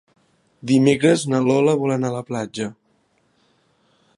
Dimecres na Lola vol anar a la platja.